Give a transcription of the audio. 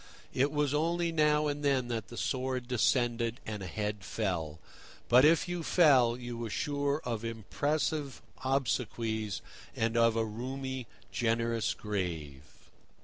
It was only now and then that the sword descended and a head fell; but if you fell you were sure of impressive obsequies and of a roomy, generous grave.